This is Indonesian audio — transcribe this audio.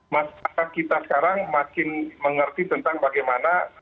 masyarakat kita sekarang makin mengerti tentang bagaimana